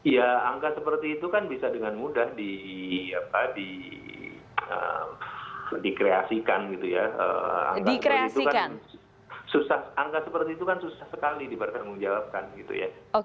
ya angka seperti itu kan bisa dengan mudah di kreasikan gitu ya angka seperti itu kan susah sekali dipertanggungjawabkan gitu ya